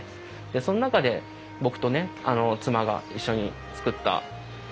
その中で僕とね妻が一緒につくった刀がね